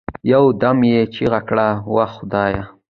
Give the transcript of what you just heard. يو دم يې چيغه كړه وه خدايه!